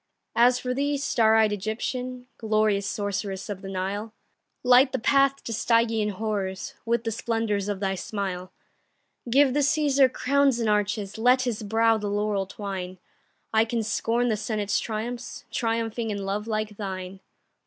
As for thee, star eyed Egyptian, Glorious sorceress of the Nile, Light the path to Stygian horrors With the splendors of thy smile. Give the Cæsar crowns and arches, Let his brow the laurel twine; I can scorn the Senate's triumphs, Triumphing in love like thine.